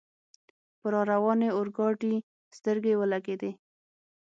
پر را روانې اورګاډي سترګې ولګېدې.